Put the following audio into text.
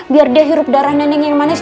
biar dia hirup darah nenek yang manis